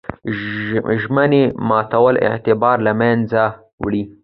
ژمنې ماتول اعتبار له منځه وړي.